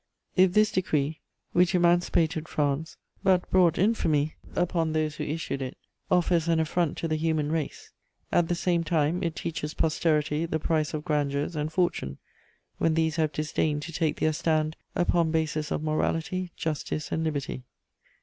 If this decree, which emancipated France but brought infamy upon those who issued it, offers an affront to the human race, at the same time it teaches posterity the price of grandeurs and fortune, when these have disdained to take their stand upon bases of morality, justice and liberty.